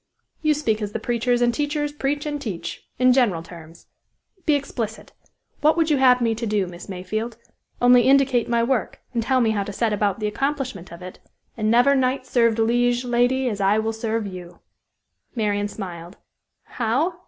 "You speak as the preachers and teachers preach and teach in general terms. Be explicit; what would you have me to do, Miss Mayfield? Only indicate my work, and tell me how to set about the accomplishment of it, and never knight served liege lady as I will serve you!" Marian smiled. "How?